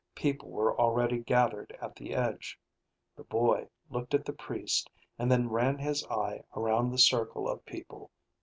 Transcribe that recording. People were already gathered at the edge. The boy looked at the priest and then ran his eye around the circle of people.